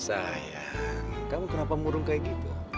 saya kamu kenapa murung kayak gitu